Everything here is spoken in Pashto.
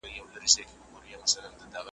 چي په نسیم کي غوړېدلي شګوفې وي وني `